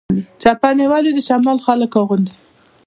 چپنې ولې د شمال خلک اغوندي؟